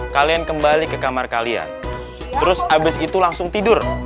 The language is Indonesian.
kalian kembali ke kamar kalian terus abis itu langsung tidur